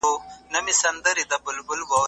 موږ بايد په لاري کي هم خپل عزت وساتو.